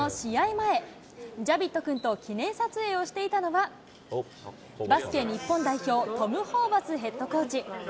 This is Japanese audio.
前、ジャビット君と記念撮影をしていたのは、バスケ日本代表、トム・ホーバスヘッドコーチ。